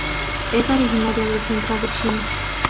Es originaria del centro de China.